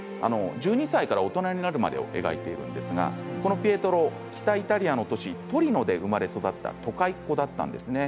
１２歳から大人になるまでを描いているんですがこのピエトロ、北イタリアの都市トリノで生まれ育った都会っ子だったんですね。